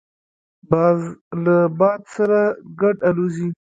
باز له باد سره ګډ الوزي